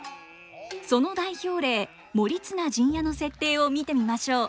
その代表例「盛綱陣屋」の設定を見てみましょう。